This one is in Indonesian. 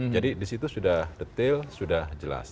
jadi disitu sudah detail sudah jelas